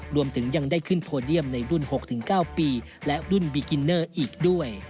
รวมถึงยังได้ขึ้นโพเดียมในรุ่น๖๙ปีและรุ่นบีกินเนอร์อีกด้วย